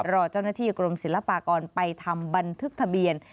รอเจ้าหน้าที่กรมศิลปากรไปทำบันทึกทะเบียน